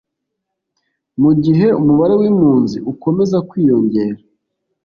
Mu gihe umubare w’impunzi ukomeza kwiyongera